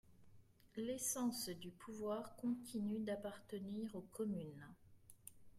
L’essence du pouvoir continue d’appartenir aux communes.